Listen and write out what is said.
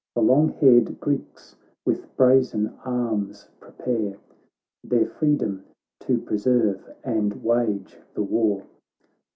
The long haired Greeks with brazen arms prepare Their freedom to preserve and wage the war.